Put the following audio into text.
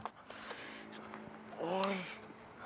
ไอ้บอส